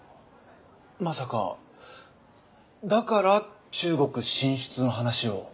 まさかだから中国進出の話を？